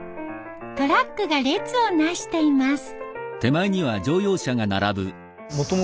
トラックが列をなしています。